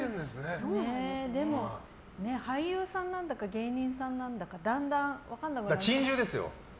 でも、俳優さんなんだか芸人さんなんだかだんだん分からなくなってきて。